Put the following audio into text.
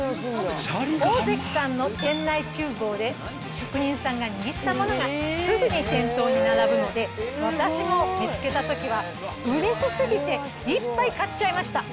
オオゼキさんの店内ちゅう房で職人さんが握ったものが、すぐに店頭に並ぶので、私も見つけたときは、うれしすぎて、いっぱい買っちゃいました。